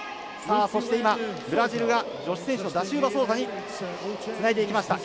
そして今、ブラジルが女子選手のダシウバソウザにつないでいきました。